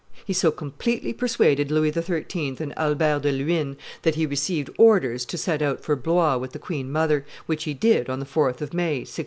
He so completely persuaded Louis XIII. and Albert de Luynes, that he received orders to set out for Blois with the queen mother, which he did on the 4th of May, 1617.